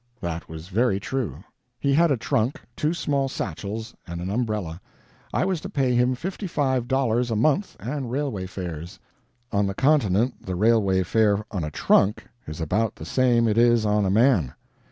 That was very true. He had a trunk, two small satchels, and an umbrella. I was to pay him fifty five dollars a month and railway fares. On the continent the railway fare on a trunk is about the same it is on a man.